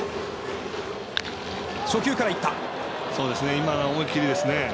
今の思い切りですね。